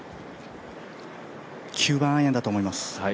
９番アイアンだと思います。